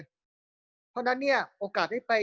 เพราะฉะนั้นเนี่ยโอกาสได้ไป